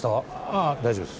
あぁ大丈夫です。